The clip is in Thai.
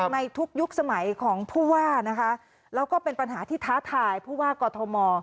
ในทุกยุคสมัยของผู้ว่านะคะแล้วก็เป็นปัญหาที่ท้าทายผู้ว่ากอทม